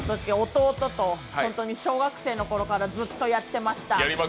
弟と小学生の頃からずっとやってました。